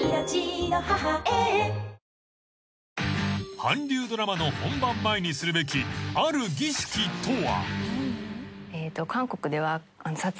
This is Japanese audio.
［韓流ドラマの本番前にするべきある儀式とは］